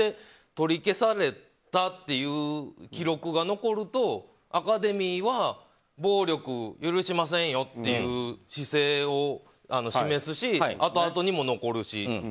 取り消されたという記録が残るとアカデミーは暴力を許しませんよっていう姿勢を示すしあとあとにも残るし。